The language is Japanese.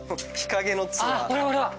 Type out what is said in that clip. ほらほらっ！